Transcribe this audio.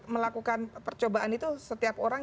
melakukan percobaan itu setiap orang